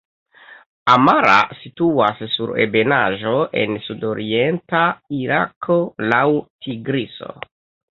Amara situas sur ebenaĵo en sudorienta Irako laŭ Tigriso.